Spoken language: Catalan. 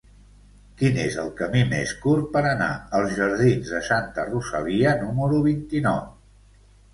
Quin és el camí més curt per anar als jardins de Santa Rosalia número vint-i-nou?